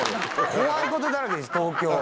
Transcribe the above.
怖いことだらけです東京。